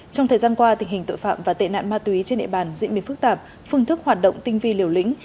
trong thời gian qua tình hình tội phạm và tệ nạn ma túy trên địa bàn diễn biến phức tạp phương thức hoạt động tinh vi liều lĩnh